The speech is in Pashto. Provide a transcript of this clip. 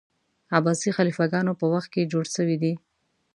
عباسي خلیفه ګانو په وخت کي جوړ سوی دی.